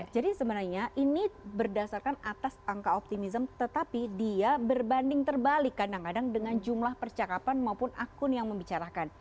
jadi sebenarnya ini berdasarkan atas angka optimism tetapi dia berbanding terbalik kadang kadang dengan jumlah percakapan maupun akun yang membicarakan